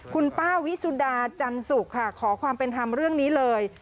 คุณป้าวิสุดาจันสุกค่ะขอความเป็นธรรมเรื่องนี้เลย